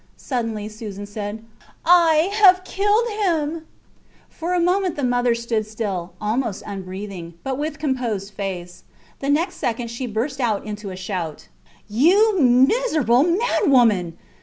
Suddenly, Susan said I have killed him. For a moment the mother stood still, almost unbreathing, but with composed face. The next second she burst out into a shout You miserable madwoman